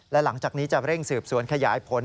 และหลังจากนี้จะเร่งสืบสวนขยายผล